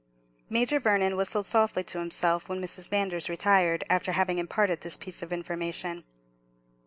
Major Vernon whistled softly to himself when Mrs. Manders retired, after having imparted this piece of information.